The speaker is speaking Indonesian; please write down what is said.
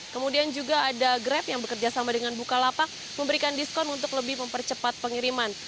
kemudian juga ada grab yang bekerja sama dengan bukalapak memberikan diskon untuk lebih mempercepat pengiriman